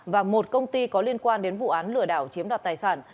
và một công ty có liên quan đến vụ án lừa đảo chiếm đoạt tài sản